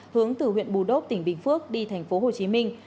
hướng từ huyện bù đốc tỉnh bình phước đi thành phố hồ chí minh